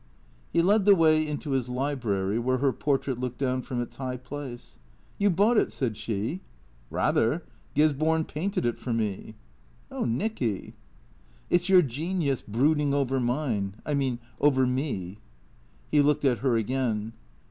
He led the way into his library where her portrait looked down from its high place. " You bought it ?" said she. " Rather. Gisborne painted it for me." "Oh, Nicky!" " It 's your genius brooding over mine — I mean over me." He looked at her again.